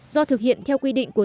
do thực hiện theo quy định của